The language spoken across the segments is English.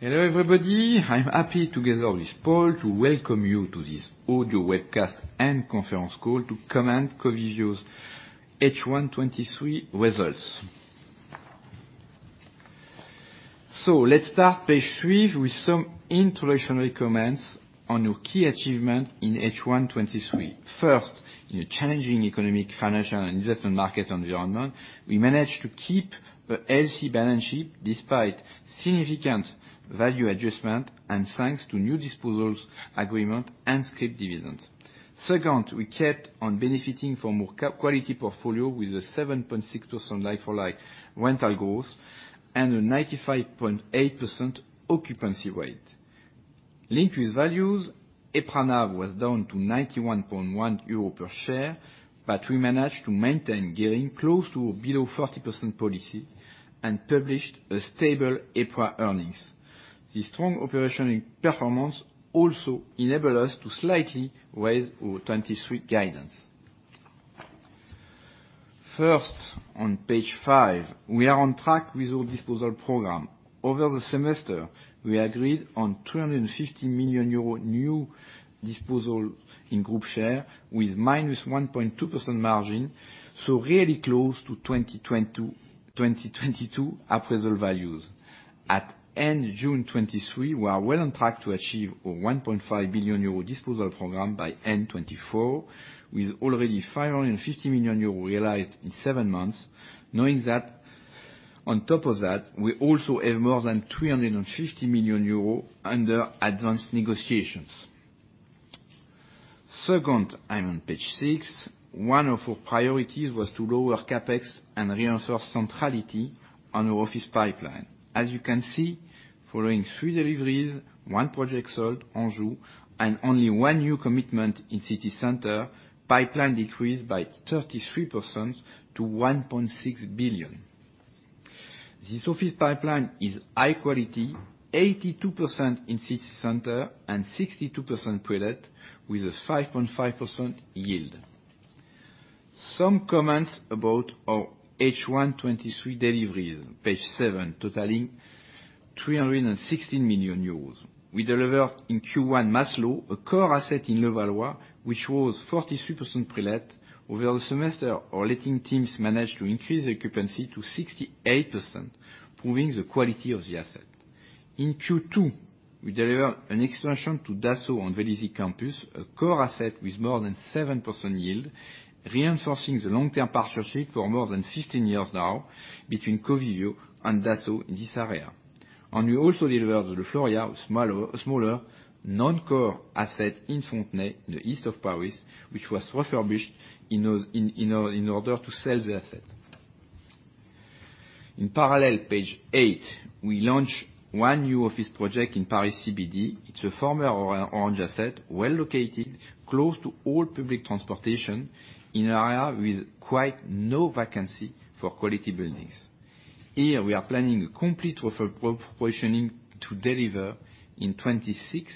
Hello, everybody. I'm happy together with Paul to welcome you to this audio webcast and conference call to comment Covivio's H1 '23 results. Let's start page three with some introductory comments on our key achievement in H1 '23. First, in a challenging economic, financial, and investment market environment, we managed to keep an healthy balance sheet despite significant value adjustment and thanks to new disposals agreement and scrip dividends. Second, we kept on benefiting from our quality portfolio with a 7.6% like-for-like rental growth and a 95.8% occupancy rate. Linked with values, EPRA NAV was down to 91.1 euro per share, we managed to maintain gearing close to below 40% policy and published a stable EPRA earnings. This strong operation performance also enable us to slightly raise our '23 guidance. First, on page five, we are on track with our disposal program. Over the semester, we agreed on 350 million euro new disposal in group share with -1.2% margin, really close to 2022 appraisal values. At end June '23, we are well on track to achieve a 1.5 billion euro disposal program by end '24 with already 550 million euro realized in seven months, knowing that on top of that, we also have more than 350 million euros under advanced negotiations. Second, on page six, one of our priorities was to lower CapEx and reinforce centrality on our office pipeline. As you can see, following three deliveries, one project sold, Anjou, and only one new commitment in city center, pipeline decreased by 33% to 1.6 billion. This office pipeline is high quality, 82% in city center and 62% pre-let with a 5.5% yield. Some comments about our H1 '23 deliveries, page seven, totaling 316 million euros. We delivered in Q1 Maslö, a core asset in Levallois, which was 43% pre-let. Over the semester, our letting teams managed to increase the occupancy to 68%, proving the quality of the asset. In Q2, we deliver an expansion to Dassault on Vélizy Campus, a core asset with more than 7% yield, reinforcing the long-term partnership for more than 15 years now between Covivio and Dassault in this area. We also delivered Le Fleury, a smaller, non-core asset in Fontenay in the east of Paris, which was refurbished in order to sell the asset. In parallel, page eight, we launch one new office project in Paris CBD. It's a former Orange asset, well located, close to all public transportation in area with quite no vacancy for quality buildings. Here, we are planning a complete repositioning to deliver in 2026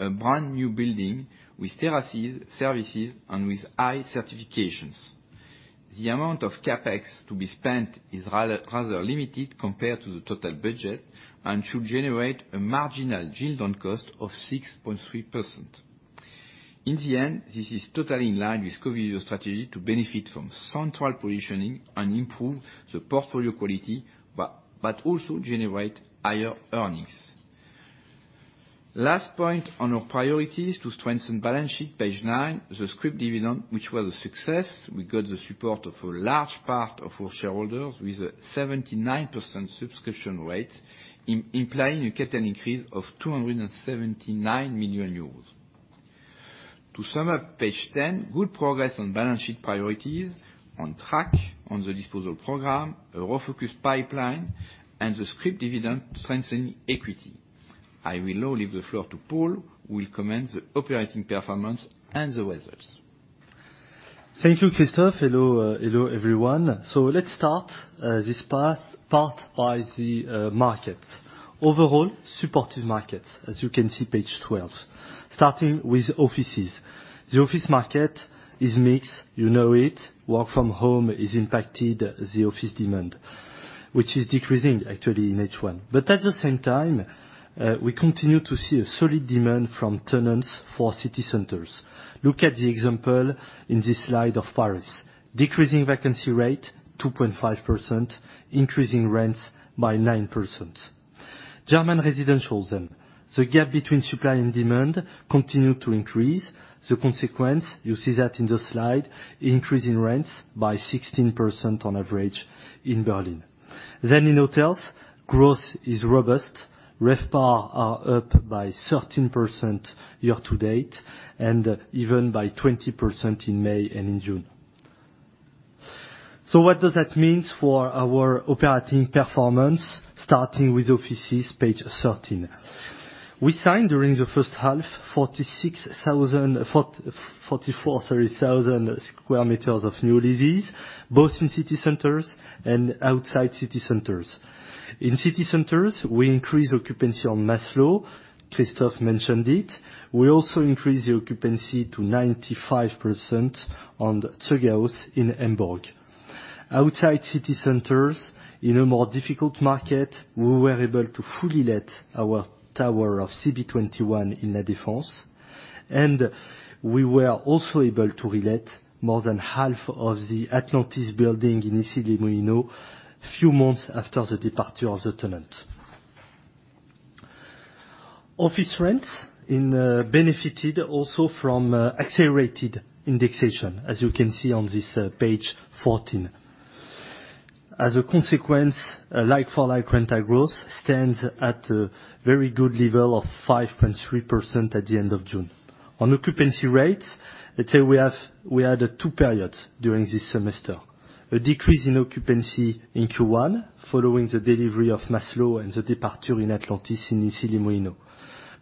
a brand-new building with terraces, services, and with high certifications. The amount of CapEx to be spent is rather limited compared to the total budget and should generate a marginal yield on cost of 6.3%. In the end, this is totally in line with Covivio's strategy to benefit from central positioning and improve the portfolio quality, also generate higher earnings. Last point on our priorities to strengthen balance sheet, page nine, the scrip dividend, which was a success. We got the support of a large part of our shareholders with a 79% subscription rate, implying a capital increase of 279 million euros. To sum up, page 10, good progress on balance sheet priorities, on track on the disposal program, a refocused pipeline, and the scrip dividend to strengthen equity. I will now leave the floor to Paul, who will comment the operating performance and the results. Thank you, Christophe. Hello, everyone. Let's start this part by the markets. Overall, supportive markets, as you can see, page 12. Starting with offices. The office market is mixed. You know it. Work from home has impacted the office demand, which is decreasing actually in H1. At the same time, we continue to see a solid demand from tenants for city centers. Look at the example in this slide of Paris. Decreasing vacancy rate, 2.5%, increasing rents by 9%. German residential. The gap between supply and demand continue to increase. The consequence, you see that in the slide, increase in rents by 16% on average in Berlin. In hotels, growth is robust. RevPAR are up by 13% year to date and even by 20% in May and in June. What does that mean for our operating performance? Starting with offices, page 13. We signed during the first half 44,000 square meters of new leases, both in city centers and outside city centers. In city centers, we increased occupancy on Maslö. Christophe mentioned it. We also increased the occupancy to 95% on Toghaus in Hamburg. Outside city centers, in a more difficult market, we were able to fully let our tower of CB21 in La Défense. We were also able to re-let more than half of the Atlantis building in Issy-les-Moulineaux few months after the departure of the tenant. Office rents benefited also from accelerated indexation, as you can see on this page 14. As a consequence, like-for-like rental growth stands at a very good level of 5.3% at the end of June. On occupancy rates, I'd say we had two periods during this semester. A decrease in occupancy in Q1, following the delivery of Maslö and the departure in Atlantis in Issy-les-Moulineaux.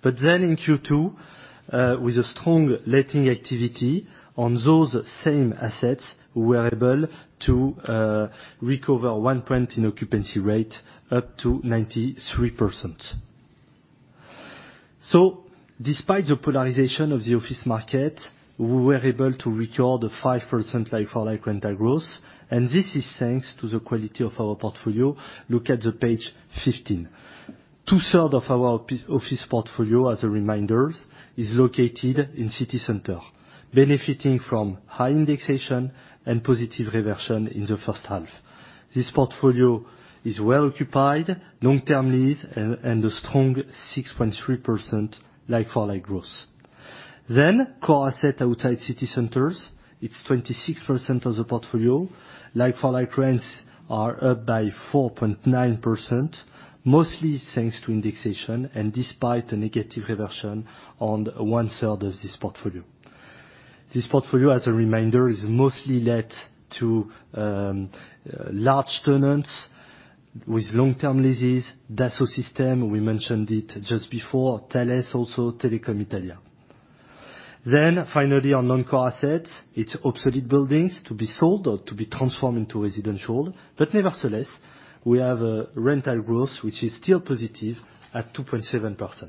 In Q2, with a strong letting activity on those same assets, we were able to recover one point in occupancy rate up to 93%. Despite the polarization of the office market, we were able to record a 5% like-for-like rental growth, and this is thanks to the quality of our portfolio. Look at the page 15. Two third of our office portfolio, as a reminder, is located in city center, benefiting from high indexation and positive reversion in the first half. This portfolio is well occupied, long-term lease, and a strong 6.3% like-for-like growth. Core asset outside city centers, it's 26% of the portfolio. Like-for-like rents are up by 4.9%, mostly thanks to indexation and despite a negative reversion on one-third of this portfolio. This portfolio, as a reminder, is mostly let to large tenants with long-term leases. Dassault Systèmes, we mentioned it just before. Thales also, Telecom Italia. Finally on non-core assets, it's obsolete buildings to be sold or to be transformed into residential. Nevertheless, we have a rental growth which is still positive at 2.7%.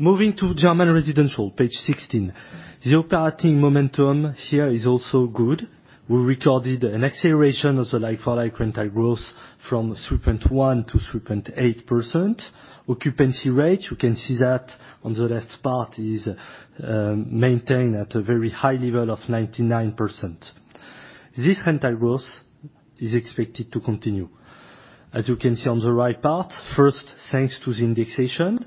Moving to German residential, page 16. The operating momentum here is also good. We recorded an acceleration of the like-for-like rental growth from 3.1% to 3.8%. Occupancy rate, you can see that on the last part is maintained at a very high level of 99%. This rental growth is expected to continue. As you can see on the right part, first, thanks to the indexation,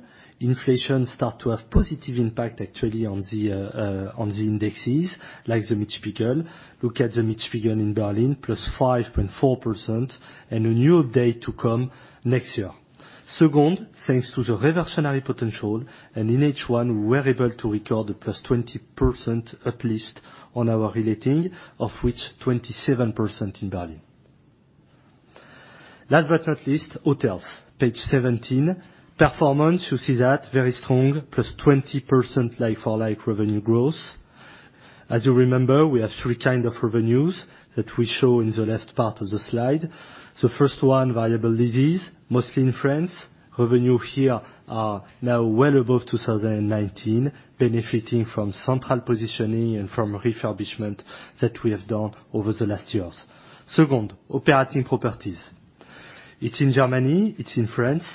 inflation start to have positive impact actually on the indexes, like the Mietspiegel. Look at the Mietspiegel in Berlin, +5.4%, and a new update to come next year. Thanks to the reversionary potential, and in H1, we were able to record a +20% uplift on our re-letting, of which 27% in Berlin. Last but not least, hotels. Page 17. Performance, you see that, very strong, +20% like-for-like revenue growth. As you remember, we have three kind of revenues that we show in the left part of the slide. First one, variable leases, mostly in France. Revenue here are now well above 2019, benefiting from central positioning and from refurbishment that we have done over the last years. Second, operating properties. It's in Germany, it's in France.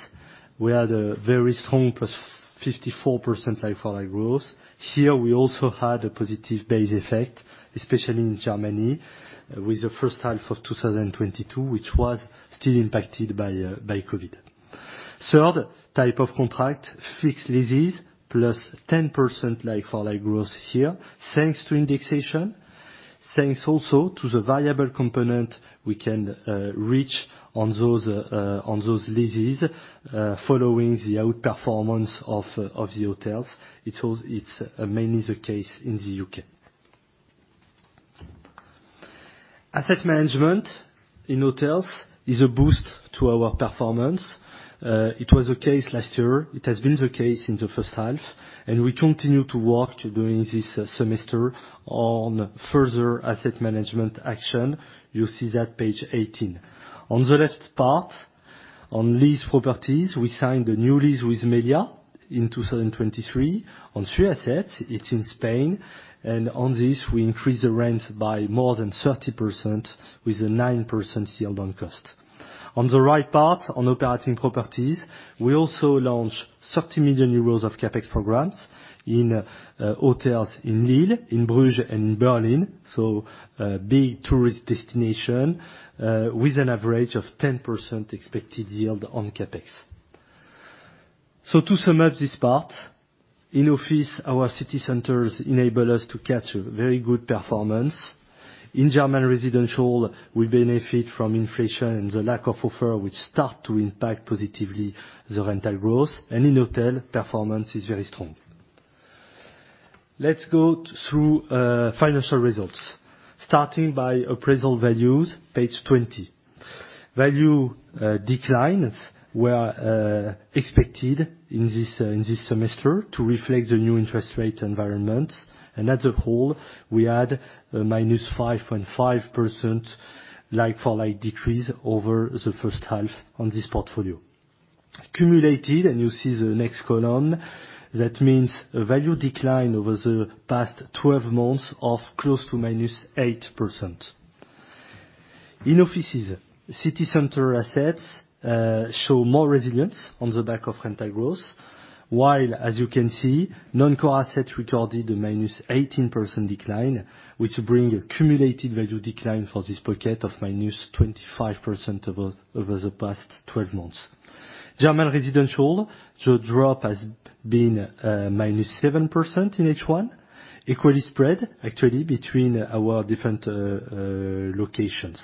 We had a very strong, +54% like-for-like growth. Here, we also had a positive base effect, especially in Germany, with the first half of 2022, which was still impacted by COVID. Third type of contract, fixed leases, +10% like-for-like growth this year, thanks to indexation. Thanks also to the variable component we can reach on those leases, following the outperformance of the hotels. It's mainly the case in the U.K. Asset management in hotels is a boost to our performance. It was the case last year. It has been the case in the first half, and we continue to work during this semester on further asset management action. You see that, page 18. On the left part, on leased properties, we signed a new lease with Meliá in 2023 on three assets. It's in Spain. On this, we increased the rent by more than 30% with a 9% yield on cost. On the right part, on operating properties, we also launched 30 million euros of CapEx programs in hotels in Lille, in Bruges, and in Berlin, so big tourist destination, with an average of 10% expected yield on CapEx. To sum up this part, in office, our city centers enable us to catch a very good performance. In German residential, we benefit from inflation and the lack of offer, which start to impact positively the rental growth. In hotel, performance is very strong. Let's go through financial results, starting by appraisal values, page 20. Value declines were expected in this semester to reflect the new interest rate environment. As a whole, we had a -5.5% like-for-like decrease over the first half on this portfolio. Accumulated, and you see the next column, that means a value decline over the past 12 months of close to -8%. In offices, city center assets show more resilience on the back of rental growth, while, as you can see, non-core assets recorded a -18% decline, which bring a cumulated value decline for this bucket of -25% over the past 12 months. German residential, the drop has been -7% in H1, equally spread, actually, between our different locations.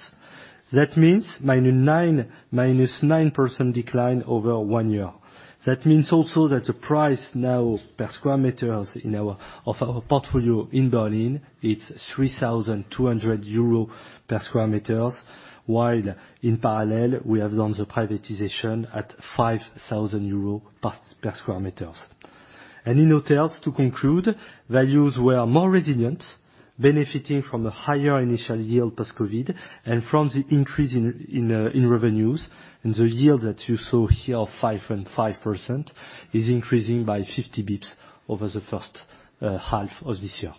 That means -9% decline over one year. That means also that the price now per sq m of our portfolio in Berlin, it's 3,200 euros per sq m. While in parallel, we have done the privatization at 5,000 euros per sq m. In hotels, to conclude, values were more resilient, benefiting from the higher initial yield post-COVID, and from the increase in revenues. The yield that you saw here of 5.5% is increasing by 50 basis points over the first half of this year.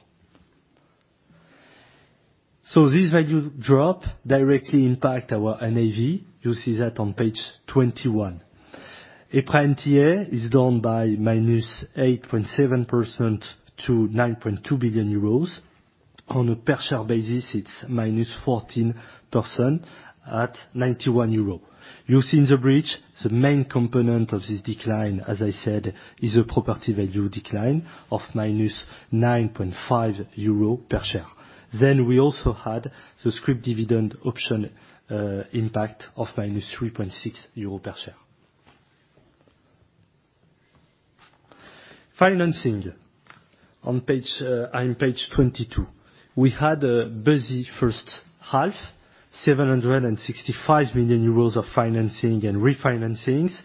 This value drop directly impact our NAV. You see that on page 21. EBITDA is down by -8.7% to 9.2 billion euros. On a per share basis, it's -14% at 91 euros. You see in the bridge, the main component of this decline, as I said, is a property value decline of -9.5 euro per share. We also had the scrip dividend option impact of -3.6 euros per share. Financing. On page 22. We had a busy first half, 765 million euros of financing and refinancings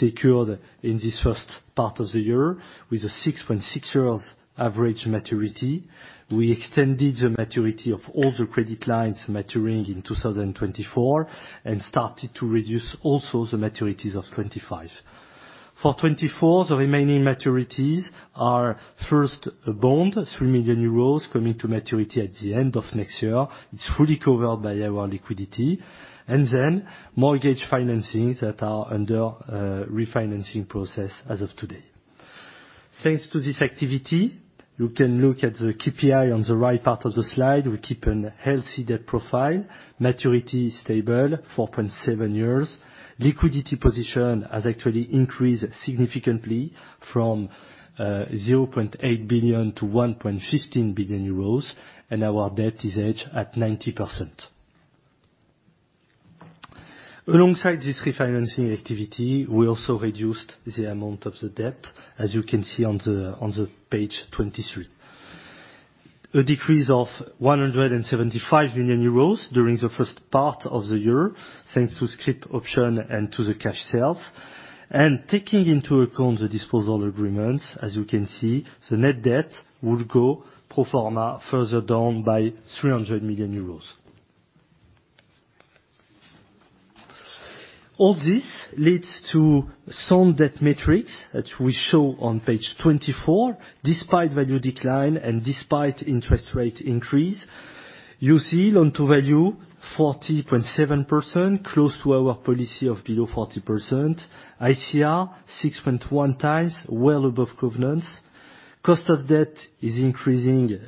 secured in this first part of the year with a 6.6-year average maturity. We extended the maturity of all the credit lines maturing in 2024 and started to reduce also the maturities of 2025. For 2024, the remaining maturities are first bond, 3 million euros coming to maturity at the end of next year. It's fully covered by our liquidity. Mortgage financings that are under refinancing process as of today. Thanks to this activity, you can look at the KPI on the right part of the slide. We keep an healthy debt profile. Maturity is stable, 4.7 years. Liquidity position has actually increased significantly from 0.8 billion to 1.15 billion euros, and our debt is hedged at 90%. Alongside this refinancing activity, we also reduced the amount of the debt, as you can see on page 23. A decrease of 175 million euros during the first part of the year, thanks to scrip option and to the cash sales. Taking into account the disposal agreements, as you can see, the net debt would go pro forma further down by 300 million euros. All this leads to some debt metrics that we show on page 24. Despite value decline and despite interest rate increase, you see loan to value 40.7%, close to our policy of below 40%. ICR 6.1 times, well above covenants. Cost of debt is increasing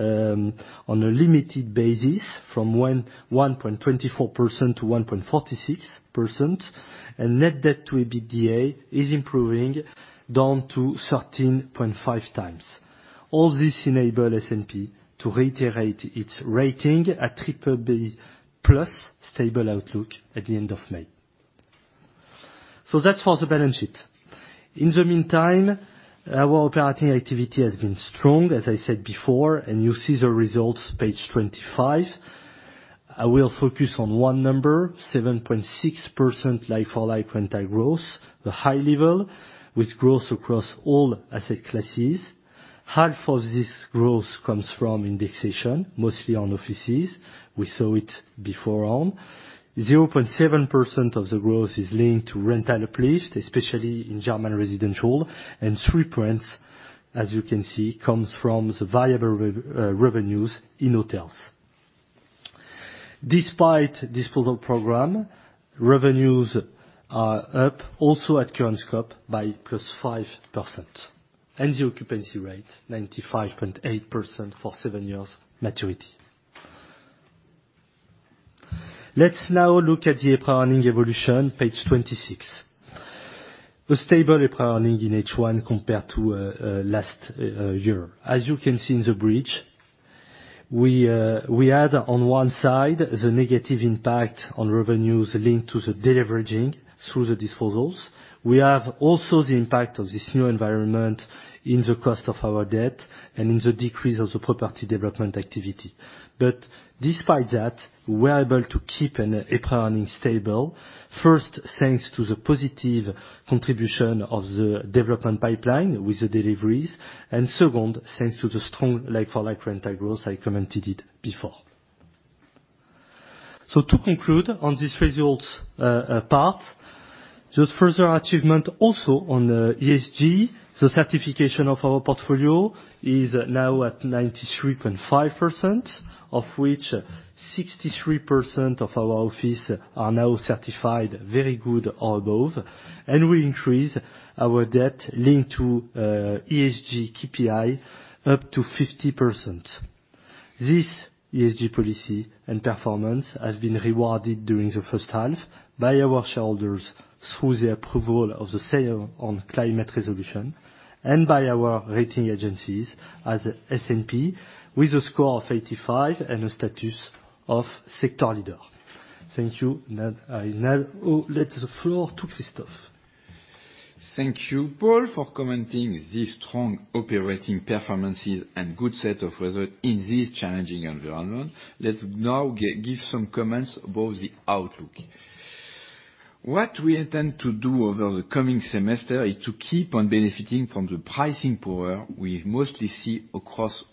on a limited basis from 1.24% to 1.46%, and net debt to EBITDA is improving down to 13.5 times. All this enable S&P to reiterate its rating at BBB+ stable outlook at the end of May. That's for the balance sheet. In the meantime, our operating activity has been strong, as I said before, and you see the results page 25. I will focus on one number, 7.6% like-for-like rental growth, a high level with growth across all asset classes. Half of this growth comes from indexation, mostly on offices. We saw it before on. 0.7% of the growth is linked to rental uplift, especially in German residential, and three points, as you can see, comes from the valuable revenues in hotels. Despite disposal program, revenues are up also at current scope by +5%. The occupancy rate, 95.8% for seven years maturity. Let's now look at the EPRA earnings evolution, page 26. A stable EPRA earnings in H1 compared to last year. As you can see in the bridge, we had, on one side, the negative impact on revenues linked to the deleveraging through the disposals. We have also the impact of this new environment in the cost of our debt and in the decrease of the property development activity. Despite that, we're able to keep an EPRA earnings stable. First, thanks to the positive contribution of the development pipeline with the deliveries, and second, thanks to the strong like-for-like rental growth, I commented it before. To conclude on this results part, just further achievement also on the ESG. The certification of our portfolio is now at 93.5%, of which 63% of our office are now certified very good or above, and we increase our debt linked to ESG KPI up to 50%. This ESG policy and performance has been rewarded during the first half by our shareholders through the approval of the sale on climate resolution and by our rating agencies as S&P with a score of 85 and a status of sector leader. Thank you. I will let the floor to Christophe. Thank you, Paul, for commenting this strong operating performances and good set of results in this challenging environment. Let's now give some comments about the outlook. What we intend to do over the coming semester is to keep on benefiting from the pricing power we mostly see across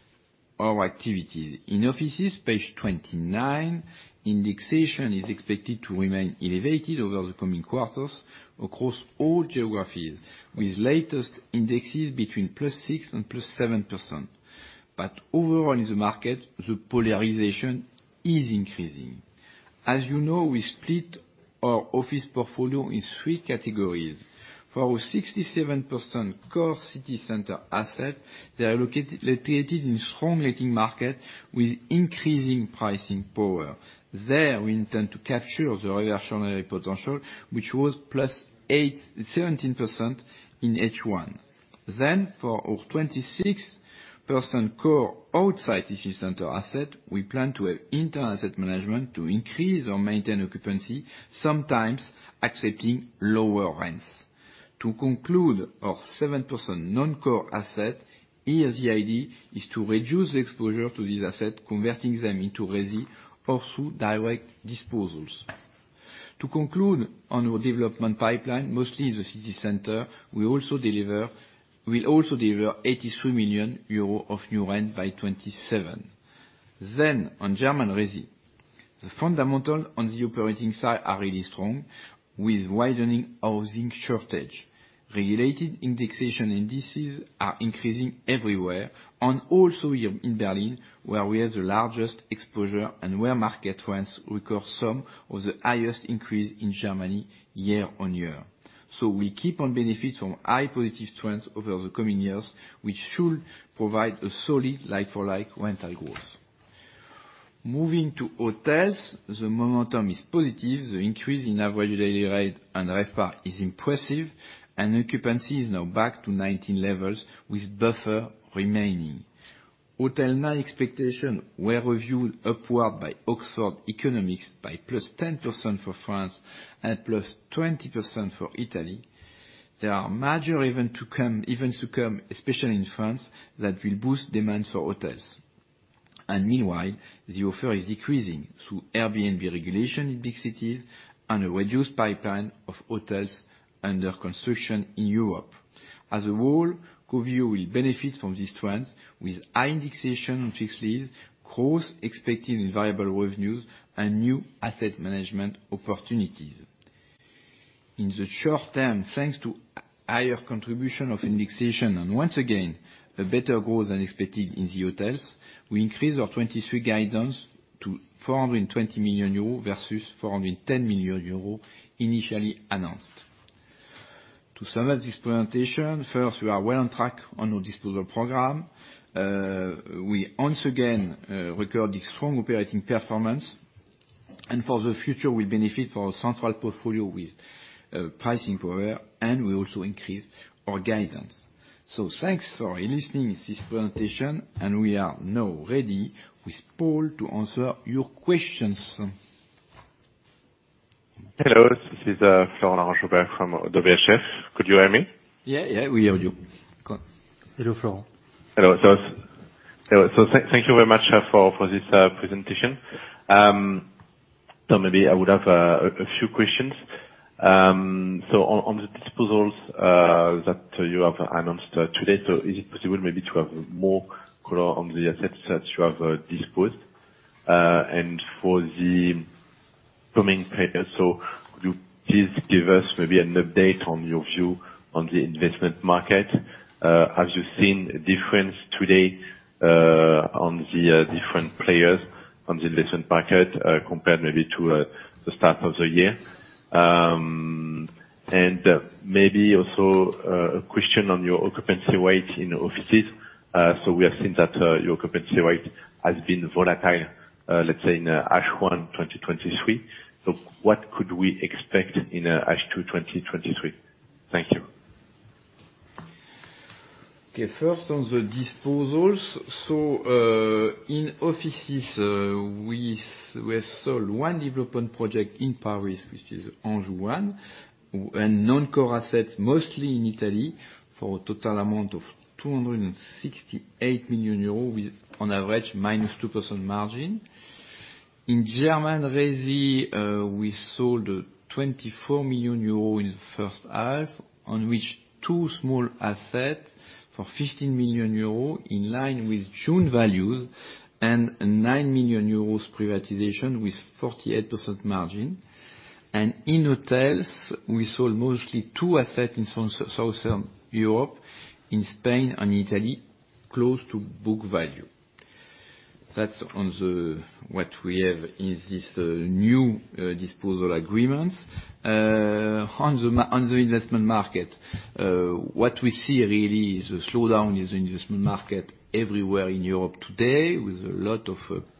our activities. In offices, page 29, indexation is expected to remain elevated over the coming quarters across all geographies, with latest indexes between +6% and +7%. Overall in the market, the polarization is increasing. As you know, we split our office portfolio in three categories. For our 67% core city center asset, they are located in strong rating market with increasing pricing power. There we intend to capture the reactionary potential, which was +17% in H1. For our 26% core outside city center asset, we plan to have internal asset management to increase or maintain occupancy, sometimes accepting lower rents. To conclude our 7% non-core asset, ESG ID is to reduce the exposure to this asset, converting them into resi or through direct disposals. To conclude on our development pipeline, mostly the city center, we'll also deliver 83 million euro of new rent by 2027. On German resi, the fundamental on the operating side are really strong with widening housing shortage. Regulated indexation indices are increasing everywhere and also in Berlin, where we have the largest exposure and where market rents record some of the highest increase in Germany year-over-year. We keep on benefit from high positive trends over the coming years, which should provide a solid like-for-like rental growth. Moving to hotels, the momentum is positive. The increase in average daily rate and RevPAR is impressive, and occupancy is now back to 2019 levels with buffer remaining. Hotel my expectation were reviewed upward by Oxford Economics by +10% for France and +20% for Italy. There are major events to come, especially in France, that will boost demand for hotels. Meanwhile, the offer is decreasing through Airbnb regulation in big cities and a reduced pipeline of hotels under construction in Europe. As a whole, Covivio will benefit from these trends with high indexation on fixed leases, growth expected in variable revenues, and new asset management opportunities. In the short term, thanks to higher contribution of indexation and once again, a better growth than expected in the hotels, we increase our 2023 guidance to 420 million euro versus 410 million euro initially announced. To summarize this presentation, first, we are well on track on our disposal program. We once again, record the strong operating performance. For the future, we benefit from a central portfolio with pricing power. We also increase our guidance. Thanks for listening this presentation. We are now ready with Paul to answer your questions. Hello, this is Florent Larche-Murat from ODDO BHF. Could you hear me? Yeah. We hear you. Go on. Hello, Florent. Hello. Thank you very much for this presentation. Maybe I would have a few questions. On the disposals that you have announced today, is it possible maybe to have more color on the assets that you have disposed? For the coming period, could you please give us maybe an update on your view on the investment market? Have you seen a difference today on the different players on the investment market, compared maybe to the start of the year? Maybe also a question on your occupancy rate in offices. We have seen that your occupancy rate has been volatile, let's say in H1 2023. What could we expect in H2 2023? Thank you. Okay. First, on the disposals. In offices, we have sold one development project in Paris, which is Anjou, and non-core assets mostly in Italy for a total amount of 268 million euros with on average -2% margin. In German resi, we sold 24 million euros in the first half, on which two small assets for 15 million euros in line with June values and a 9 million euros privatization with 48% margin. In hotels, we sold mostly two assets in Southern Europe, in Spain and Italy, close to book value. That's on what we have in this new disposal agreements. On the investment market, what we see really is a slowdown in the investment market everywhere in Europe today, with a lot of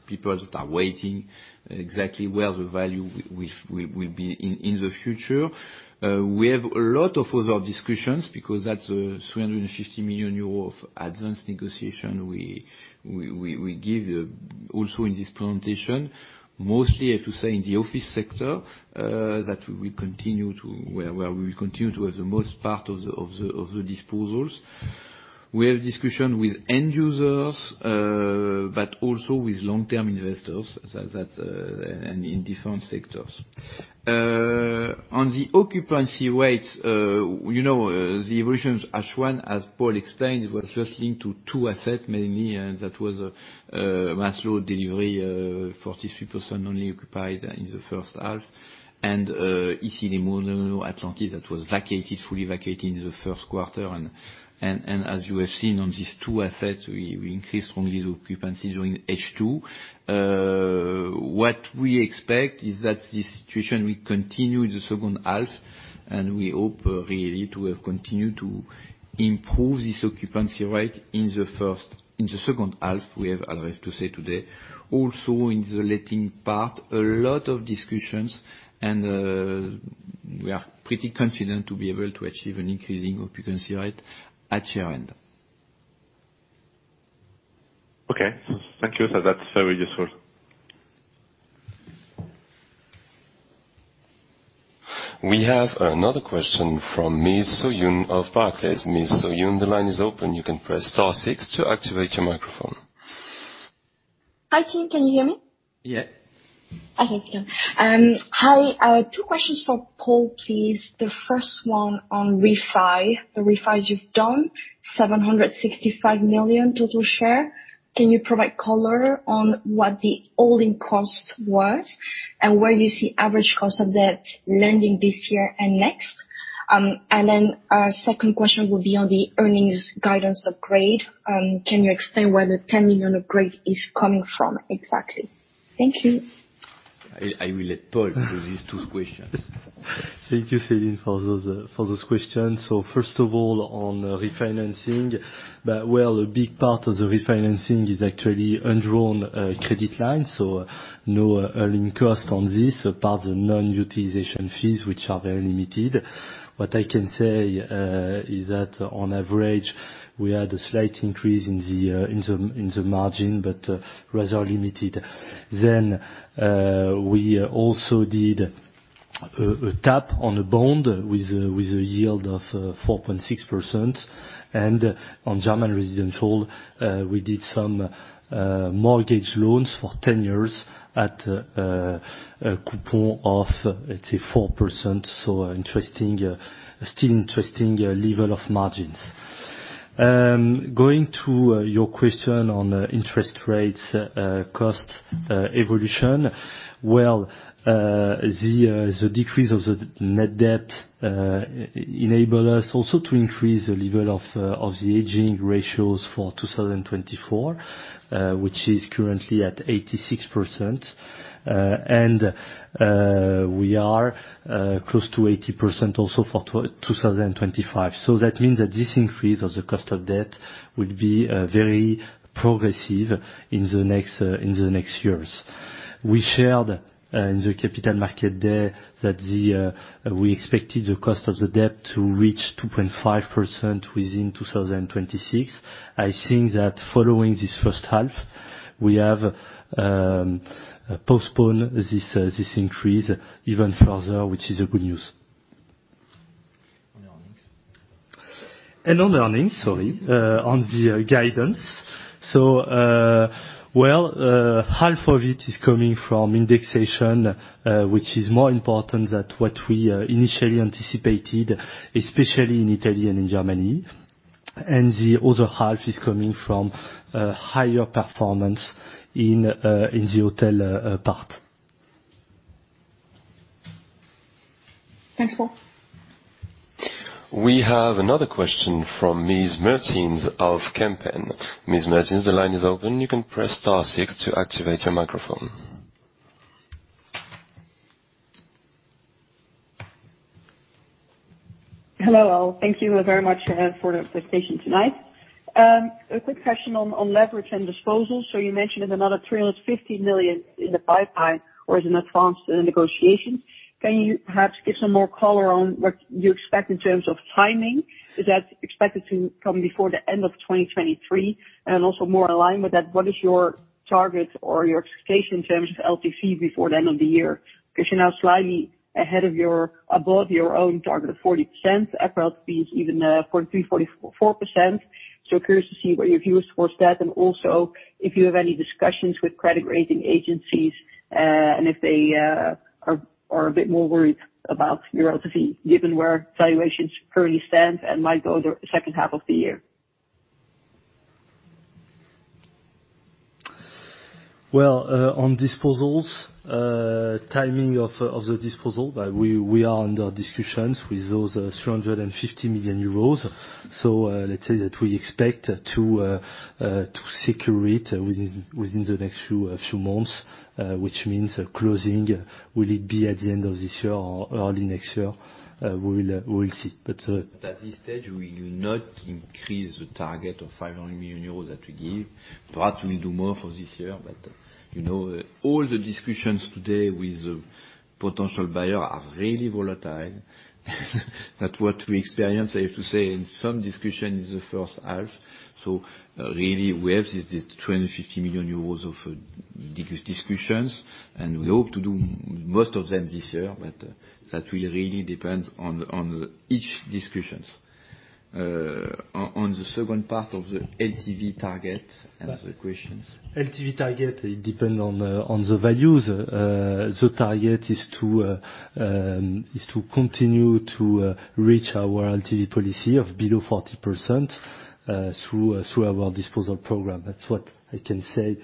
people that are waiting exactly where the value will be in the future. We have a lot of other discussions because that's a 350 million euro of advance negotiation we give also in this presentation, mostly, I have to say, in the office sector, where we will continue to have the most part of the disposals. We have discussion with end users, but also with long-term investors, and in different sectors. On the occupancy rates, the evolutions, H1, as Paul explained, it was just linked to two assets mainly, and that was a Maslö delivery, 43% only occupied in the first half. Issy-les-Moulineaux Atlantis that was fully vacated in the first quarter. As you have seen on these two assets, we increased strongly the occupancy during H2. What we expect is that this situation will continue in the second half, and we hope really to have continued to improve this occupancy rate in the second half. We have a lot to say today. In the letting part, a lot of discussions, we are pretty confident to be able to achieve an increasing occupancy rate at year-end. Okay. Thank you. That's very useful. We have another question from Ms. Soyoon of Barclays. Ms. Soyoon, the line is open. You can press star six to activate your microphone. Hi, team. Can you hear me? Yeah. Hi. Two questions for Paul, please. The first one on refi. The refis you've done, 765 million total share. Can you provide color on what the all-in cost was and where you see average cost of debt lending this year and next? A second question would be on the earnings guidance upgrade. Can you explain where the 10 million upgrade is coming from exactly? Thank you. I will let Paul do these two questions. First of all, on refinancing, well, a big part of the refinancing is actually undrawn credit lines, so no earning cost on this apart the non-utilization fees, which are very limited. What I can say is that on average, we had a slight increase in the margin, but rather limited. We also did a tap on a bond with a yield of 4.6%, and on German Residential, we did some mortgage loans for 10 years at a coupon of, let's say, 4%. Still interesting level of margins. Going to your question on interest rates cost evolution. Well, the decrease of the net debt enable us also to increase the level of the aging ratios for 2024, which is currently at 86%. We are close to 80% also for 2025. That means that this increase of the cost of debt will be very progressive in the next years. We shared in the capital market day that we expected the cost of the debt to reach 2.5% within 2026. I think that following this first half, we have postponed this increase even further, which is a good news. On the earnings. On the earnings. Sorry. On the guidance. Half of it is coming from indexation, which is more important than what we initially anticipated, especially in Italy and in Germany. The other half is coming from a higher performance in the hotel part. Thanks, Paul. We have another question from Ms. Mertens of Kempen. Ms. Mertens, the line is open. You can press star six to activate your microphone. Hello, all. Thank you very much for the presentation tonight. A quick question on leverage and disposals. You mentioned there's another 350 million in the pipeline or is in advanced negotiation. Can you perhaps give some more color on what you expect in terms of timing? Is that expected to come before the end of 2023? Also more aligned with that, what is your target or your expectation in terms of LTV before the end of the year? Because you're now slightly above your own target of 40%, fully-loaded LTV is even 43%-44%. Curious to see what your views towards that and also if you have any discussions with credit rating agencies, and if they are a bit more worried about your LTV, given where valuations currently stand and might go the second half of the year. Well, on disposals, timing of the disposal, we are under discussions with those 350 million euros. Let's say that we expect to secure it within the next few months, which means closing will it be at the end of this year or early next year? We will see. At this stage, we will not increase the target of 500 million euros that we give. Perhaps we'll do more for this year, but all the discussions today with the potential buyer are really volatile. That what we experience, I have to say, in some discussion in the first half. Really we have is this 2,050 million euros of discussions, and we hope to do most of them this year, but that will really depend on each discussions. On the second part of the LTV target and the questions. LTV target, it depends on the values. The target is to continue to reach our LTV policy of below 40% through our disposal program. That's what I can say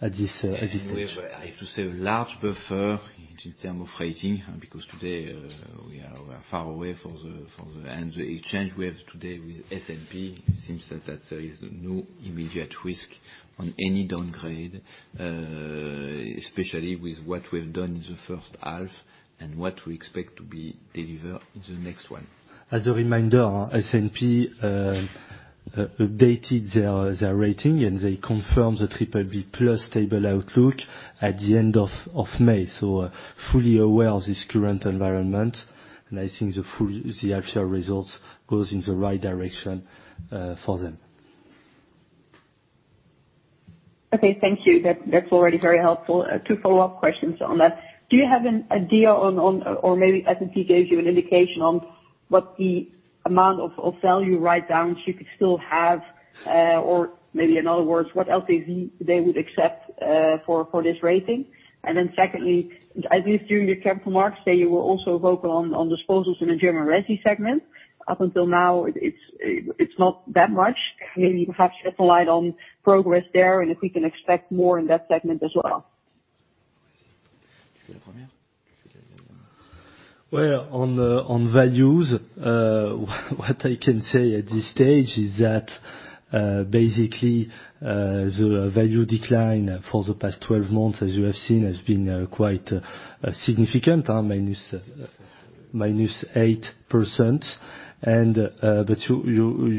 at this stage. We have, I have to say, large buffer in terms of rating, because today we are far away. The exchange we have today with S&P seems that there is no immediate risk on any downgrade, especially with what we've done in the first half and what we expect to be delivered in the next one. As a reminder, S&P updated their rating, and they confirmed the BBB+ stable outlook at the end of May. Fully aware of this current environment, and I think the actual results goes in the right direction for them. Okay, thank you. That's already very helpful. Two follow-up questions on that. Do you have an idea or maybe S&P gave you an indication on what the amount of value write-downs you could still have? Or maybe in other words, what LTV they would accept for this rating? Secondly, at least during the Capital Markets Day, you were also vocal on disposals in the German resi segment. Up until now, it's not that much. Maybe you can perhaps shed some light on progress there and if we can expect more in that segment as well. Do you want the first or the second? Well, on values, what I can say at this stage is that basically, the value decline for the past 12 months, as you have seen, has been quite significant, minus 8%.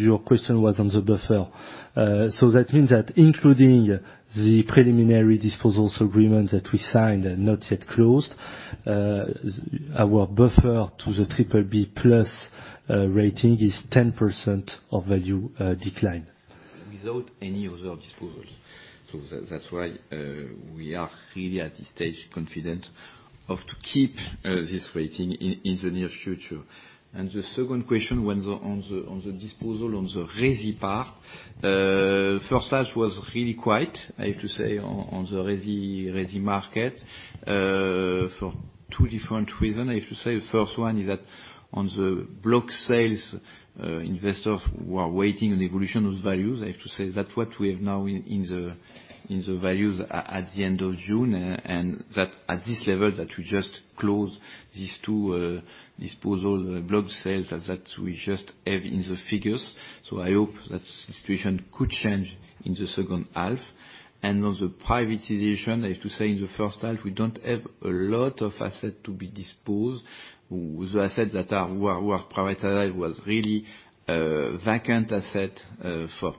Your question was on the buffer. That means that including the preliminary disposals agreement that we signed and not yet closed, our buffer to the BBB+ rating is 10% of value decline. Without any other disposals. That's why we are really, at this stage, confident to keep this rating in the near future. The second question on the disposal on the resi part. First half was really quiet, I have to say, on the resi market for two different reasons. The first one is that on the block sales, investors were waiting on evolution of values. What we have now in the values at the end of June, and that at this level, that we just closed these two disposal block sales that we just have in the figures. I hope that the situation could change in the second half. On the privatization, I have to say in the first half, we don't have a lot of assets to be disposed. The assets that were privatized were really vacant assets for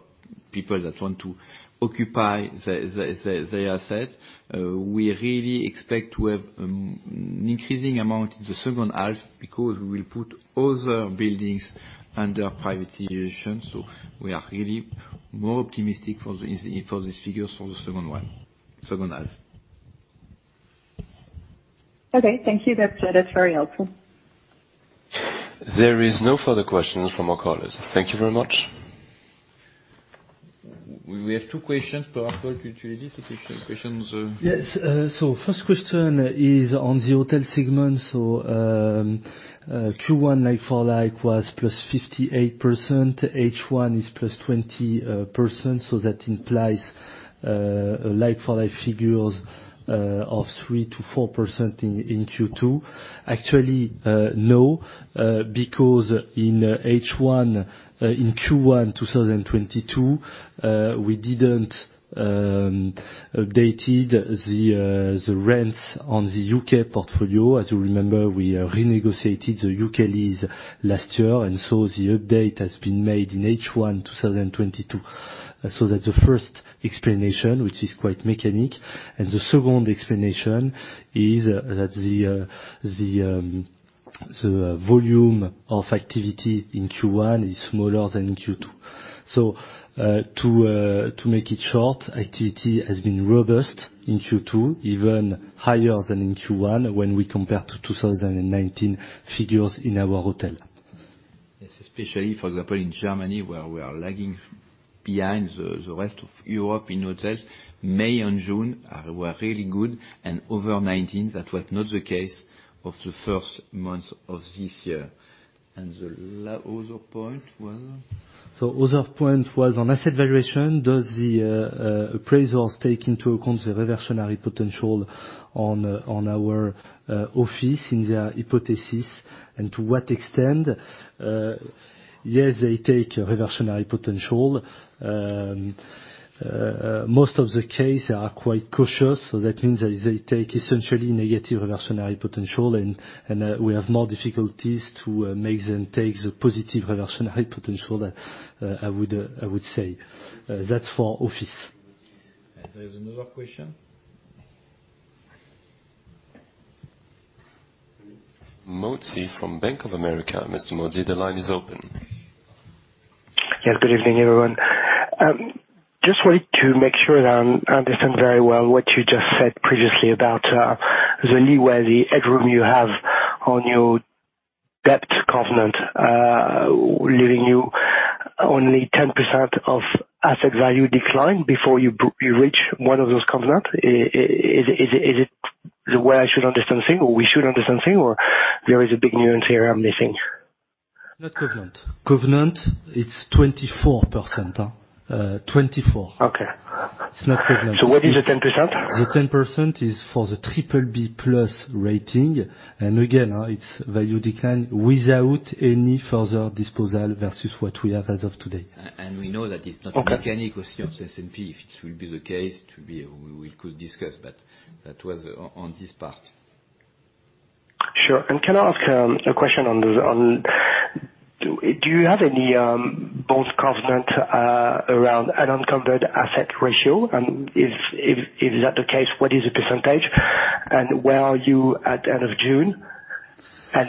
people that want to occupy the asset. We really expect to have an increasing amount in the second half because we will put other buildings under privatization. We are really more optimistic for these figures for the second half. Okay. Thank you. That's very helpful. There are no further questions from our callers. Thank you very much. We have two questions. Go ahead, take the questions. First question is on the hotel segment. Q1 like-for-like was +58%. H1 is +20%. That implies like-for-like figures of 3%-4% in Q2. Actually, no, because in Q1 2022, we didn't updated the rents on the U.K. portfolio. As you remember, we renegotiated the U.K. lease last year. The update has been made in H1 2022. That's the first explanation, which is quite mechanic. The second explanation is that the volume of activity in Q1 is smaller than in Q2. To make it short, activity has been robust in Q2, even higher than in Q1, when we compare to 2019 figures in our hotel. Especially, for example, in Germany where we are lagging behind the rest of Europe in hotels. May and June were really good and over 2019, that was not the case of the first month of this year. The other point was? Other point was on asset valuation. Does the appraisals take into account the reversionary potential on our office in their hypothesis, and to what extent? Yes, they take reversionary potential. Most of the case, they are quite cautious. That means that they take essentially negative reversionary potential, and we have more difficulties to make them take the positive reversionary potential, I would say. That's for office. There is another question. Motzi from Bank of America. Mr. Motzi, the line is open. Yes, good evening, everyone. Just wanted to make sure that I understand very well what you just said previously about the leeway, the headroom you have on your debt covenant, leaving you only 10% of asset value decline before you reach one of those covenant. Is it the way I should understand things, or we should understand things, or there is a big nuance here I'm missing? Not covenant. Covenant, it's 24%. 24. Okay. It's not covenant. What is the 10%? The 10% is for the triple B plus rating. Again, it's value decline without any further disposal versus what we have as of today. We know that it's not- Okay. -mechanical S&P, if it will be the case, we could discuss, but that was on this part. Sure. Can I ask a question on, do you have any bonds covenant around unencumbered asset ratio? If that the case, what is the percentage? Where are you at end of June?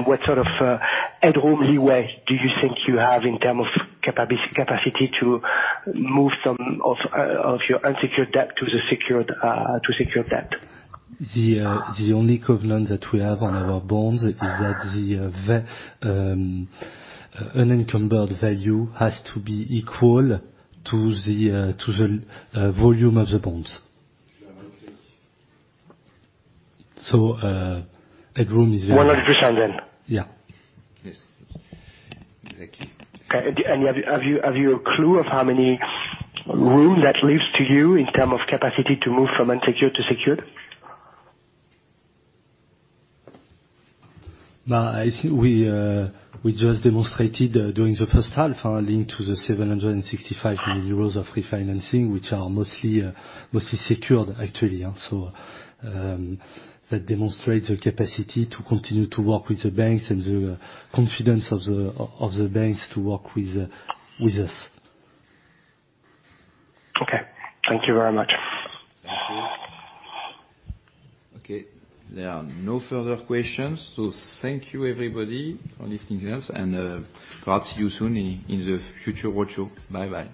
What sort of headroom leeway do you think you have in terms of capacity to move some of your unsecured debt to secure debt? The only covenant that we have on our bonds is that the unencumbered value has to be equal to the volume of the bonds. Okay. So headroom is- 100%. Yeah. Yes. Exactly. Have you a clue of how many room that leaves to you in term of capacity to move from unsecured to secured? We just demonstrated during the first half, linked to the 765 million euros of refinancing, which are mostly secured, actually. That demonstrates the capacity to continue to work with the banks and the confidence of the banks to work with us. Okay. Thank you very much. Thank you. Okay. There are no further questions. Thank you everybody for listening to us, and perhaps see you soon in the future roadshow. Bye-bye.